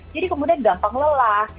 jadi kemudian gampang lelah